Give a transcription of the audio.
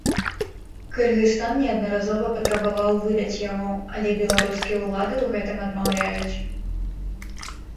Кыргызстан неаднаразова патрабаваў выдаць яго, але беларускія ўлады ў гэтым адмаўляюць.